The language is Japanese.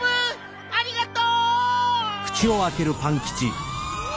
ありがとう！うわ！